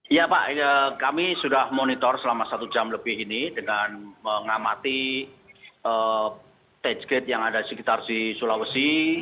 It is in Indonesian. ya pak kami sudah monitor selama satu jam lebih ini dengan mengamati touchgate yang ada di sekitar sulawesi